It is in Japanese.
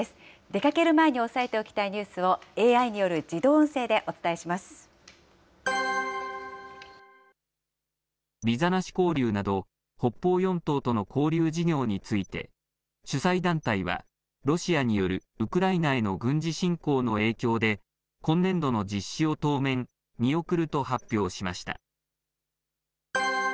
出かける前に押さえておきたいニュースをＡＩによる自動音声でおビザなし交流など、北方四島との交流事業について、主催団体は、ロシアによるウクライナへの軍事侵攻の影響で、今年度の実施を当面、見送ると発表しました。